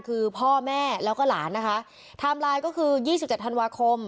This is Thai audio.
คือพ่อแม่แล้วก็หลานนะคะไทม์ไลน์ก็คือยี่สิบเจ็ดธันวาคม